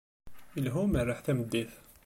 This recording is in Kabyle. Ilha umerreḥ tameddit.